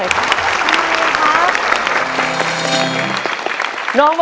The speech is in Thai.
ขอบคุณค่ะ